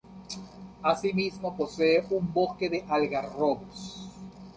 Asimismo posee un un bosque de algarrobos.